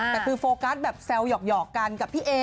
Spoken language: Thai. แต่คือโฟกัสแบบแซวหยอกกันกับพี่เอ